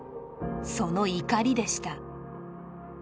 その怒りでした